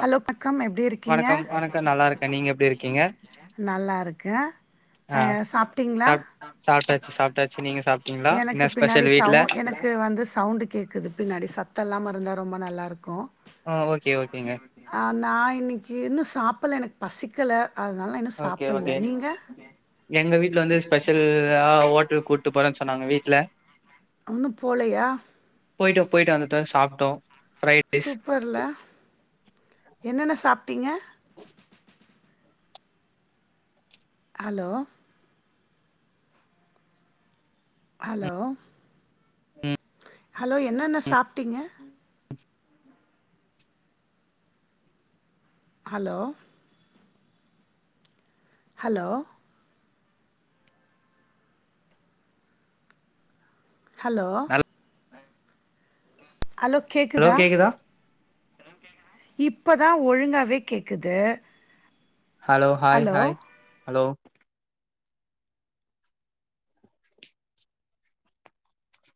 அ hello வணக்கம் எப்டி இருக்கீங்க வணக்கம் வணக்கம் நல்லா இருக்கே நீங்க எப்டி இருக்கீங்க நல்லாருக்கே ஆ சாப்டீங்ளா சாப் சாப்ட்டாச்சு சாப்ட்டாச்சு நீங்க சாப்ட்டீங்களா எனக்கு என்ன பின்னாடி ஸ்பெஷல் வீட்ல சவுண் எனக்கு வந்து சவுண்ட் கேக்குது பின்னாடி சத்தம் இல்லாம இருந்தா ரொம்ப நல்லாருக்கும் ஆ ஓகே ஓ ஆ நா இன்னிக்கு இன்னு சாப்புல எனக் பசிக்கல அதுனால இன்னு ஓகே சாப்பல ஓகே நீங்க எங்க வந்து ஸ்பெஷல்லா ஓட்டலுக் கூட் டு போறேன் சொன்னாங்க வீட்ல ஒன்னும் போலயா போயிட்டோம் போயிட்டு வந்துட்தா சாப்டோம் சூப்பர்ல என்னன்ன சாப் டிங்க ஹலோ ஹலோ ம் ம் ஹலோ என்னன்ன சாப்ட்டீங்க ஆம் [inaudible] ஹலோ ஹலோ ஹலோ ஹலோ கேக்குதா இப்பதா ஒழுங்காவே கேக்குது hello hi hello hi hello